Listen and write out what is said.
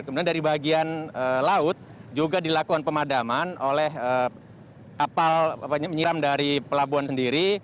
kemudian dari bagian laut juga dilakukan pemadaman oleh kapal penyiram dari pelabuhan sendiri